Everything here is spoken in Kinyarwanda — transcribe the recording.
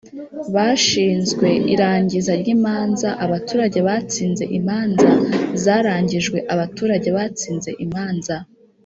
bashinzwe irangiza ry imanza abaturage batsinze imanza zarangijwe abaturage batsinze imanza